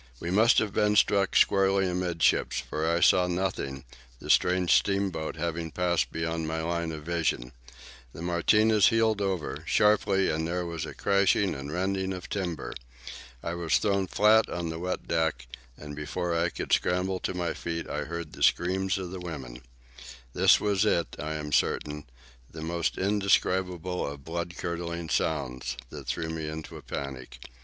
We must have been struck squarely amidships, for I saw nothing, the strange steamboat having passed beyond my line of vision. The Martinez heeled over, sharply, and there was a crashing and rending of timber. I was thrown flat on the wet deck, and before I could scramble to my feet I heard the scream of the women. This it was, I am certain,—the most indescribable of blood curdling sounds,—that threw me into a panic.